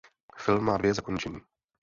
Film má dvě zakončení.